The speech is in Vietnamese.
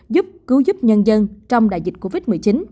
giúp cứu giúp nhân dân trong đại dịch covid một mươi chín